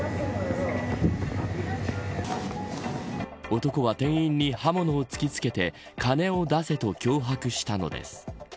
男は店員に刃物を突き付けて金を出せと脅迫したのです。